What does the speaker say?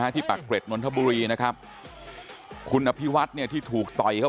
ที่ปากเกร็ดนนทบุรีนะครับคุณอภิวัฒน์เนี่ยที่ถูกต่อยเขา